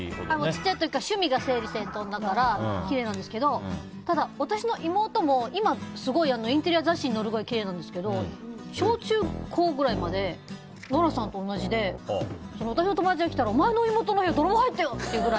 ちっちゃい時から趣味が整理整頓だからきれいなんですけどただ、私の妹も今はすごいインテリア雑誌に載るぐらいきれいなんですけど小中高ぐらいまでノラさんと同じで私の友達が来たらお前の妹の部屋泥棒入ってるよ！って。